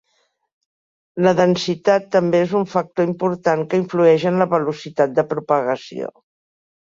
La densitat també és un factor important que influeix en la velocitat de propagació.